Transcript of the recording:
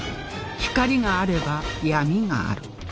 光があれば闇がある